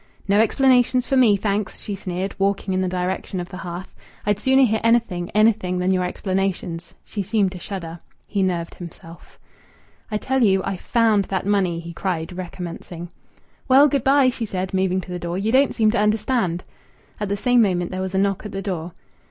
"No explanations for me, thanks!" she sneered, walking in the direction of the hearth. "I'd sooner hear anything, anything, than your explanations." She seemed to shudder. He nerved himself. "I tell you I found that money," he cried, recommencing. "Well, good bye," she said, moving to the door. "You don't seem to understand." At the same moment there was a knock at the door.